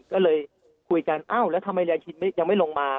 ก็เลยคุยกันเอ้าแล้วทำไมยายชินยังไม่ลงมา